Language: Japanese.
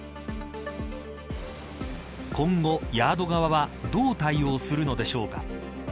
今後、ヤード側はどう対応するのでしょうか。